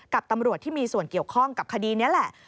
กับตำรวจที่มีส่วนเกี่ยวข้องกับคดีนี้แหละ